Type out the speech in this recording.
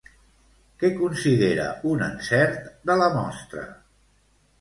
Què considera un encert de la mostra?